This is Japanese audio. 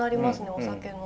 お酒の。